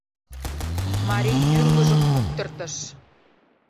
Марий тӱрвыжым куптыртыш.